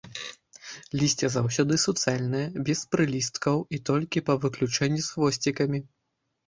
Лісце заўсёды суцэльнае, без прылісткаў і толькі па выключэнні з хвосцікамі.